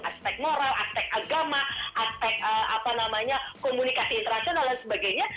aspek moral aspek agama aspek komunikasi internasional dan sebagainya